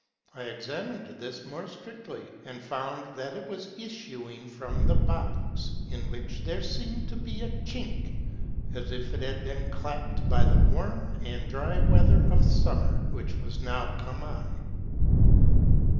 I examined this more strictly, and found that it was issuing from the box, in which there seemed to be a chink, as if it had been chapped by the warm and dry weather of summer, which was now come on.